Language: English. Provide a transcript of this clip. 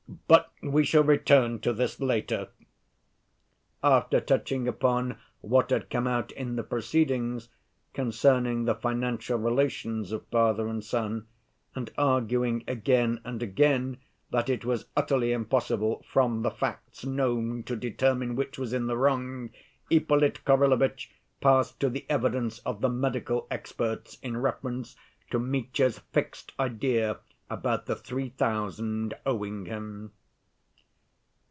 But we shall return to that later." After touching upon what had come out in the proceedings concerning the financial relations of father and son, and arguing again and again that it was utterly impossible, from the facts known, to determine which was in the wrong, Ippolit Kirillovitch passed to the evidence of the medical experts in reference to Mitya's fixed idea about the three thousand owing him.